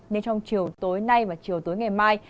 nên trong chiều tối nay và chiều tối ngày mai